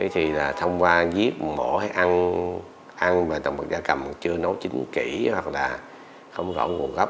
thì thông qua giết mổ hay ăn ăn và tổng bậc da cầm chưa nấu chính kỹ hoặc là không rõ nguồn gốc